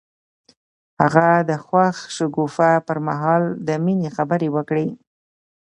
هغه د خوښ شګوفه پر مهال د مینې خبرې وکړې.